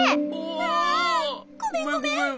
あごめんごめん。